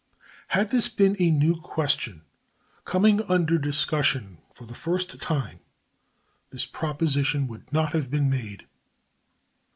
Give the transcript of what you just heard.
Had this been a new question, coming under discussion for the first time, this proposition would not have been made.